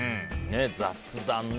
雑談ね。